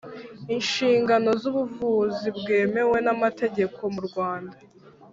inshingano z ubuvuzi bwemewe n amategeko mu Rwanda